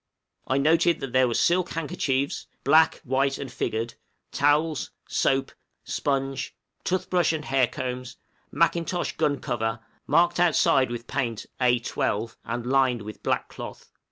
I noted that there were silk handkerchiefs black, white, and figured towels, soap, sponge, tooth brush, and hair combs; mackintosh gun cover, marked outside with paint A 12, and lined with black cloth.